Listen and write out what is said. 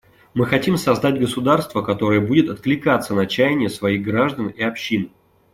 Мы хотим создать государство, которое будет откликаться на чаяния своих граждан и общин.